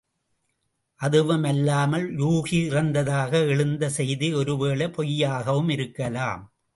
அதுவும் அல்லாமல், யூகி இறந்ததாக எழுந்த செய்தி ஒருவேளை பொய்யாகவும் இருக்கலாம்.